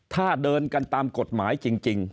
ถ้าเดินกันตามกฎหมายจริง